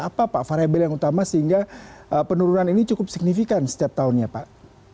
apa pak variable yang utama sehingga penurunan ini cukup signifikan setiap tahunnya pak